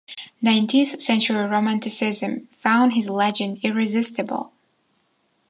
Nineteenth-century Romanticism found his legend irresistible.